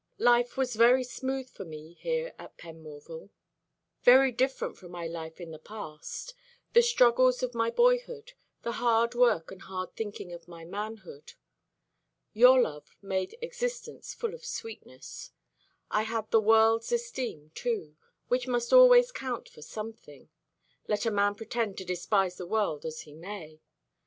Life was very smooth for me here at Penmorval. Very different from my life in the past; the struggles of my boyhood; the hard work and hard thinking of my manhood. Your love made existence full of sweetness. I had the world's esteem too, which must always count for something, let a man pretend to despise the world as he may.